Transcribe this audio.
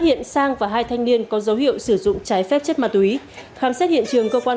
hiện sang và hai thanh niên có dấu hiệu sử dụng trái phép chất ma túy khám xét hiện trường cơ quan